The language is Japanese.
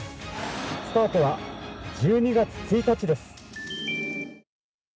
スタートは１２月１日です。